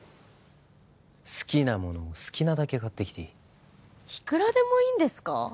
好きなものを好きなだけ買ってきていいいくらでもいいんですか？